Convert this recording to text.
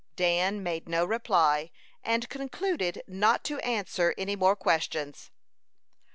Dan made no reply, and concluded not to answer any more questions.